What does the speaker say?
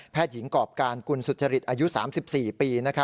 หญิงกรอบการกุลสุจริตอายุ๓๔ปี